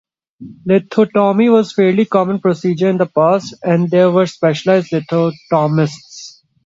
Lithotomy was a fairly common procedure in the past, and there were specialized lithotomists.